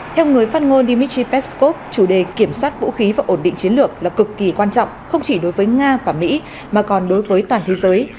theo người phát ngôn dmitry peskov chủ đề kiểm soát vũ khí và ổn định chiến lược là cực kỳ quan trọng không chỉ đối với nga và mỹ mà còn đối với toàn thế giới